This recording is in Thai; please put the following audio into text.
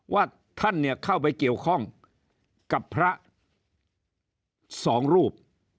ว่าท่านเนี่ยเข้าไปเกี่ยวข้องกับพระ๒รูป